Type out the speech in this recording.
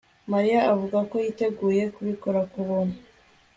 Mariya avuga ko yiteguye kubikora ku buntu